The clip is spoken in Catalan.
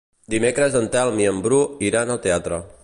Dimecres en Telm i en Bru iran al teatre.